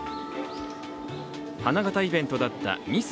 花形イベントだったミス